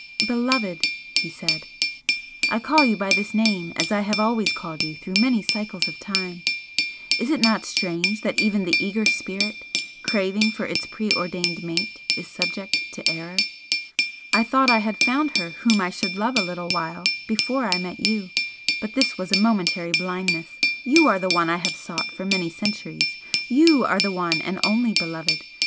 "Beloved!" he said "I call you by this name as I have always called you through many cycles of time! Is it not strange that even the eager spirit, craving for its preordained mate, is subject to error? I thought I had found her whom I should love a little while before I met you but this was a momentary blindness! YOU are the one I have sought for many centuries! YOU are the one and only beloved!